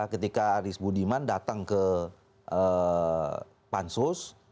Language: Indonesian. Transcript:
ketika aris budiman datang ke pansus